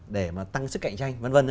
để mà tăng sức cạnh tranh v v